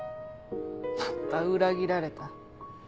また裏切られた。